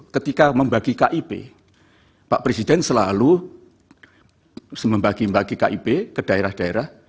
ketika membagi kip pak presiden selalu membagi bagi kib ke daerah daerah